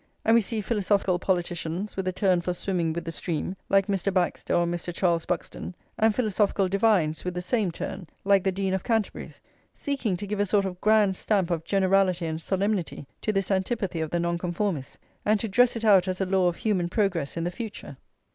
And we see philosophical politicians, with a turn for swimming with the stream, like Mr. Baxter or Mr. Charles Buxton, and philosophical divines with the same turn, like the Dean of Canterbury, seeking to give a sort of grand stamp of generality and solemnity to this antipathy of the Nonconformists, and to dress it out as a law of human progress in the future.